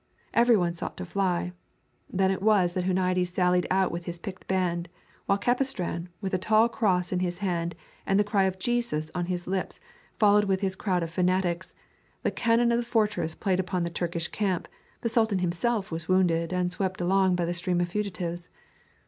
Every one sought to fly. Then it was that Huniades sallied out with his picked band, while Capistran with a tall cross in his hand and the cry of "Jesus" on his lips followed with his crowd of fanatics, the cannon of the fortress played upon the Turkish camp, the Sultan himself was wounded and swept along by the stream of fugitives.